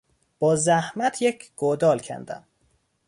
با زحمت یک گودال کندم.